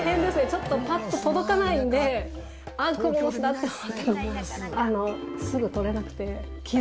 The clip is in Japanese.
ちょっとパッと届かないんで「あっクモの巣だ！」って思ってもすぐ取れなくて。